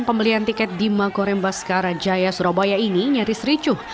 pembelian tiket dima koremba skarajaya surabaya ini nyaris ricuh